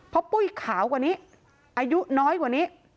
เพราะปุ้ยขาวกว่านี้อายุน้อยกว่านี้